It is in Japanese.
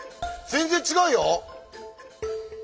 全然違う！